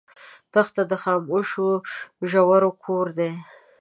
دښته د خاموشو ژورو کور دی.